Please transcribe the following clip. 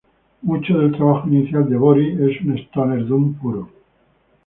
Mucho del trabajo inicial de Boris es un stoner doom puro.